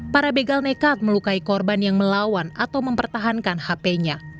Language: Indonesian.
para begal nekat melukai korban yang melawan atau mempertahankan hp nya